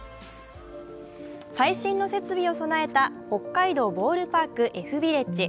最新の設備を備えた北海道ボールバークＦビレッジ。